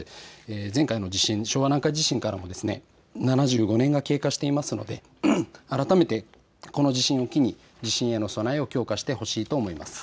前回の地震、昭和南海地震から７５年が経過していますので改めてこの地震を機に地震への備えを強化してほしいと思います。